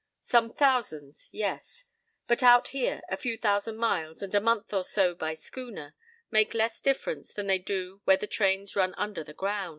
Some thousands, yes; but out here a few thousand miles and a month or so by schooner make less difference than they do where the trains run under the ground.